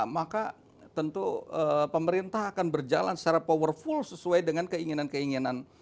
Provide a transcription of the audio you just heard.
maka tentu pemerintah akan berjalan secara powerful sesuai dengan keinginan keinginan